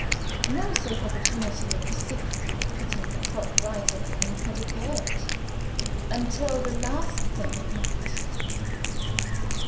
_ No safe opportunity of secretly putting the clock right again had occurred, until the last thing at night.